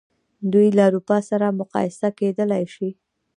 دوی له اروپا سره مقایسه کېدلای شي.